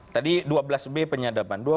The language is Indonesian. tadi dua belas b penyadapan